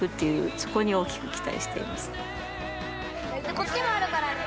こっちもあるからね。